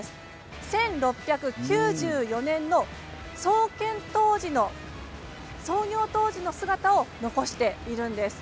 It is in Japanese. １６９４年の創業当時の姿を残しているんです。